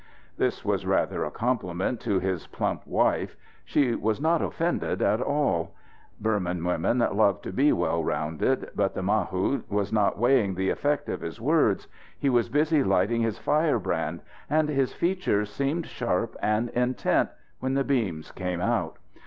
This was rather a compliment to his plump wife. She was not offended at all. Burman women love to be well rounded. But the mahout was not weighing the effect of his words. He was busy lighting his firebrand, and his features seemed sharp and intent when the beams came out.